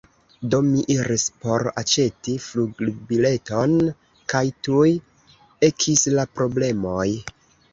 Do mi iris por aĉeti flugbileton, kaj tuj ekis la problemoj.